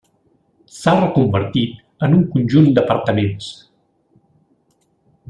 S'ha reconvertit en un conjunt d'apartaments.